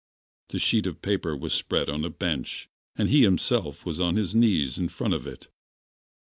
The sheet of paper was spread on a bench, and he himself was on his knees in front of it.